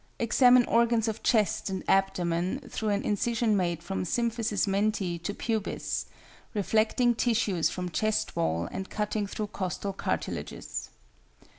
Examine organs of chest and abdomen through an incision made from symphysis menti to pubis, reflecting tissues from chest wall and cutting through costal cartilages.